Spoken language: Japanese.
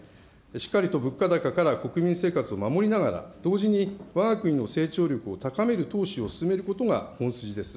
しっかりと物価高から国民生活を守りながら、同時にわが国の成長力を高める投資を進めることが本筋です。